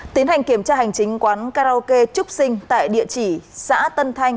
tiến hành kiểm tra hành chính quán karaoke trúc sinh tại địa chỉ xã tân thanh